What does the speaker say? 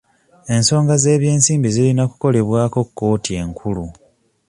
Ensonga z'eby'ensimbi zirina kukolebwako kkooti enkulu.